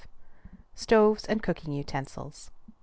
STOVES AND COOKING UTENSILS.